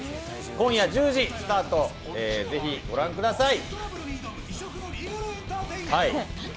今夜１０時スタート、ぜひ御覧ください。